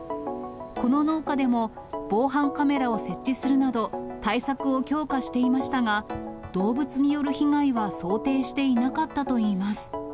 この農家でも、防犯カメラを設置するなど対策を強化していましたが、動物による被害は想定していなかったといいます。